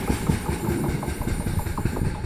Блинов!